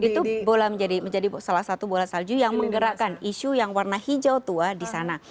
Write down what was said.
itu menjadi salah satu bola salju yang menggerakkan isu yang warna hijau tua di sana